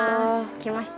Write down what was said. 来ました。